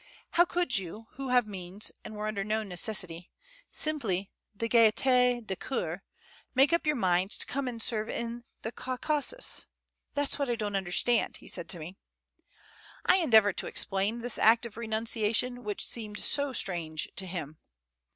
"How could you, who have means, and were under no necessity, simply de gaiete de coeur, make up your mind to come and serve in the Caucasus? That's what I don't understand," said he to me. I endeavored to explain this act of renunciation, which seemed so strange to him.